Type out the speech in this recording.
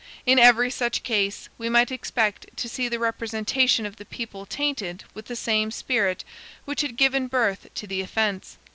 In every such case, we might expect to see the representation of the people tainted with the same spirit which had given birth to the offense.